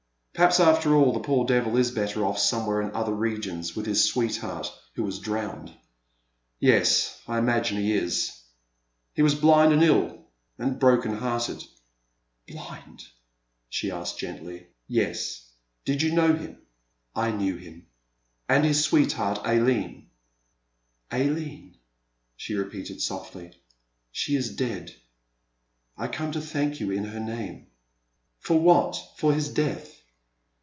Perhaps after all the poor devil is better off somewhere in other regions with his sweetheart who was drowned, — yes, I imagine he is. He was blind and ill, — ^and broken hearted.*' Blind ?'* she asked gently. Yes. Did you know him ?"*' I knew him." And his sweetheart, Aline ?"Aline," she repeated softly, —she is dead. I come to thank you in her name." For what ?— for his death